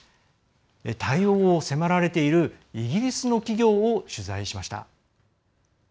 対応を迫られているイギリスの企業を取材しました。